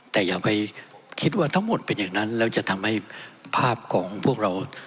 แต่อย่าไปคิดว่าทั้งหมดเป็นอย่างนั้นแล้วจะทำให้ภาพของพวกเรา